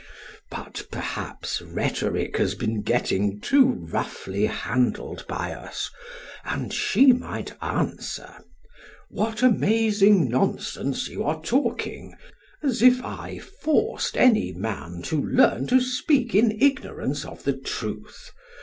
SOCRATES: But perhaps rhetoric has been getting too roughly handled by us, and she might answer: What amazing nonsense you are talking! As if I forced any man to learn to speak in ignorance of the truth!